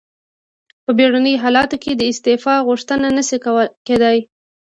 په بیړنیو حالاتو کې د استعفا غوښتنه نشي کیدای.